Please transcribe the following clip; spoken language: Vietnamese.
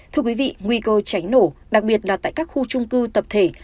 thưa quý vị nguy cơ cháy nổ đặc biệt là tại các khu trung cư tập thể